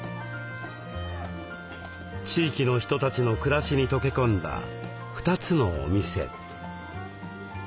地域の人たちの暮らしに溶け込んだ２つのお店。